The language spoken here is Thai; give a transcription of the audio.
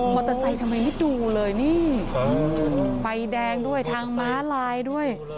เตอร์ไซค์ทำไมไม่ดูเลยนี่ไฟแดงด้วยทางม้าลายด้วย